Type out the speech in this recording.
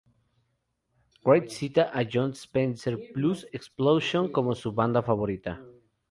Wright cita a Jon Spencer Blues Explosion como su banda favorita.